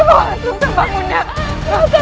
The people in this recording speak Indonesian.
rata bangun rata